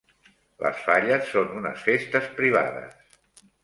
Les falles són unes festes privades.